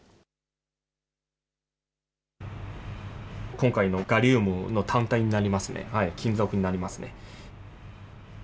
今回のガリウムの単体になりますね、金属になりますね。